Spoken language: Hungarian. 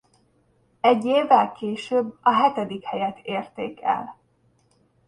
Egy évvel később a hetedik helyet érték el.